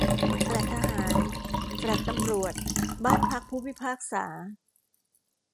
แฟลตทหาร แฟลตตำรวจ บ้านพักผู้พิพากษา